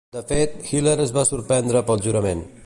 De fet, Hitler es va sorprendre pel jurament.